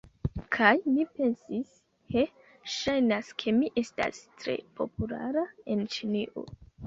Kaj mi pensis, he, ŝajnas ke mi estas tre populara en Ĉinio.